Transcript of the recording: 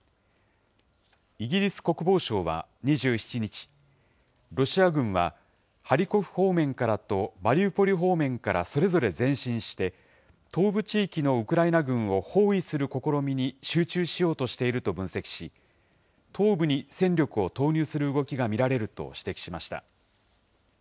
イギリス国防省は２７日、ロシア軍は、ハリコフ方面からとマリウポリ方面からそれぞれ前進して、東部地域のウクライナ軍を包囲する試みに集中しようとしていると分析し、東部に戦力を投入する動きが見られると指摘しました。